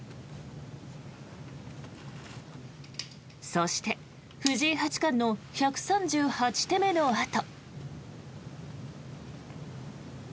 そして藤井八冠の１３８手目のあと。